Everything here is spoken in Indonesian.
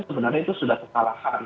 sebenarnya itu sudah kesalahan